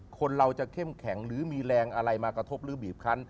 คนเราจะเข้มแข็งหรือมีแรงอะไรมากระทบหรือบีบคัน